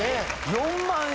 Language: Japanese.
４万円？